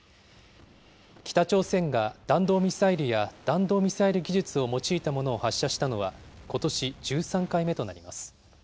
北朝鮮が弾道ミサイルや、弾道ミサイル技術を用いたものを発射したのは、ことし１３回目となります。